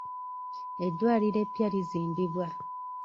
Eddwaliro eppya lizimbibwa.